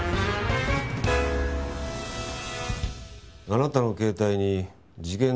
あなたの携帯に事件